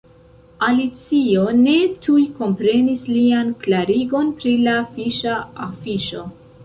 Alicio ne tuj komprenis lian klarigon pri la fiŝa afiŝo.